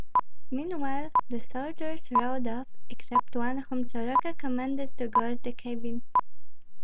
Meanwhile the soldiers rode off, except one, whom Soroka commanded to guard the cabin.